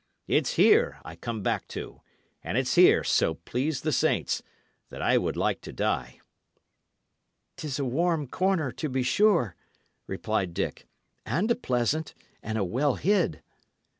It's here I come back to, and it's here, so please the saints, that I would like to die." "'Tis a warm corner, to be sure," replied Dick, "and a pleasant, and a well hid."